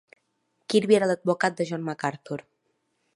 Kirby era l'advocat de John MacArthur.